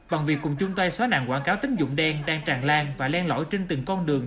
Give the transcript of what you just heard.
bằng việc cùng chung tay xóa nạn quảng cáo tính dụng đen đang tràn lan và len lõi trên từng con đường